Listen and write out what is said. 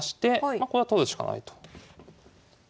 まこれは取るしかないと。